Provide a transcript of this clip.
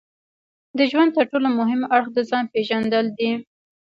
د ژوند ترټولو مهم اړخ د ځان پېژندل دي.